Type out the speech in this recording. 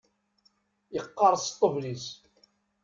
Yeqqerṣ ṭṭbel-is.